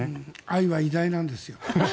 愛は偉大なんですよ。